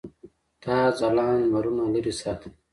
تا ځلاند لمرونه لرې ساتلي.